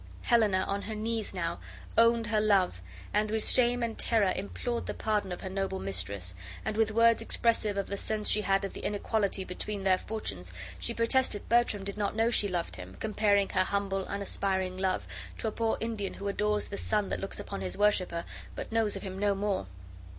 Helena, on her knees now, owned her love, and with shame and terror implored the pardon of her noble mistress; and with words expressive of the sense she had of the inequality between their fortunes she protested Bertram did not know she loved him, comparing her humble, unaspiring love to a poor Indian who adores the sun that looks upon his worshiper but knows of him no more.